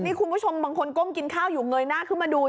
นี่คุณผู้ชมบางคนก้มกินข้าวอยู่เงยหน้าเคลื่อน่าสิบมาดู